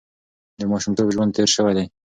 د ماشومتوب ژوند تېر شوی دی.